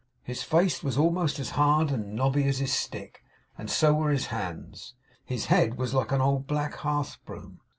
His face was almost as hard and knobby as his stick; and so were his hands. His head was like an old black hearth broom.